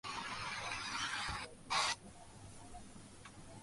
তাহার পরে ধীরে ধীরে সে আগাগোড়া সমস্ত ঘটনা বলিয়া গেল।